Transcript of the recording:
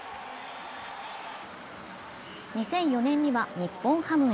２００４年には日本ハムへ。